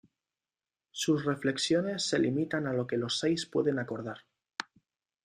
Sus reflexiones se limitan a lo que los seis pueden acordar.